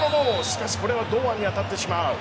しかしこれは堂安に当たってしまう。